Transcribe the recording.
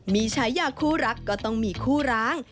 มีฉายาคู่รักก็ต้องมีคู่ร้าง